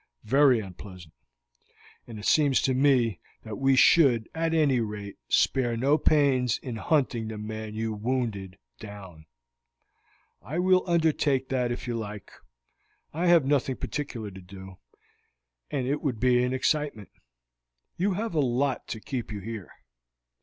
"Very unpleasant, and it seems to me that we should at any rate spare no pains in hunting the man you wounded down." "I will undertake that if you like. I have nothing particular to do, and it would be an excitement. You have a lot to keep you here."